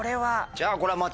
じゃあこれは。